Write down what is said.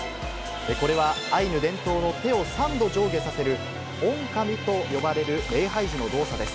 これはアイヌ伝統の手を３度上下させる、オンカミと呼ばれる礼拝時の動作です。